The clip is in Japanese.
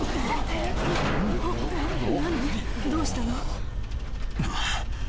どうしたの？